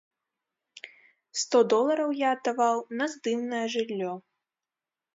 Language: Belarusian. Сто долараў я аддаваў на здымнае жыллё.